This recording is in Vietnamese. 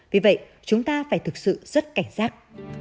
vì vậy chúng ta phải thực sự rất cảnh giác